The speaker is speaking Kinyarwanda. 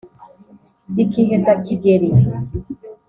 Zikiheta Kigeli,